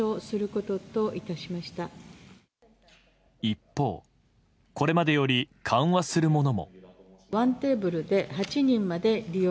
一方これまでより緩和するものも。